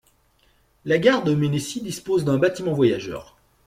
La gare de Mennecy dispose d'un bâtiment voyageurs.